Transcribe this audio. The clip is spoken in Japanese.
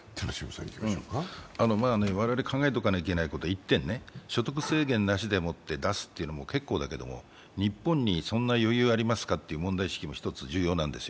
我々、考えておかなければいけないのは１点、所得制限なしで出すとうのもだけど、日本にそんな余裕はありますかという問題意識も一つ重要なんですよ。